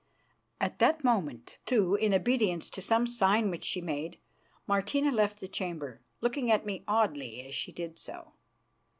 At that moment, too, in obedience to some sign which she made, Martina left the chamber, looking at me oddly as she did so.